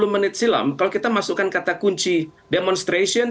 tiga puluh menit silam kalau kita masukkan kata kunci demonstrasi